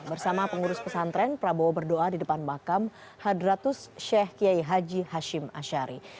bersama pengurus pesantren prabowo berdoa di depan makam hadratus sheikh kiai haji hashim ashari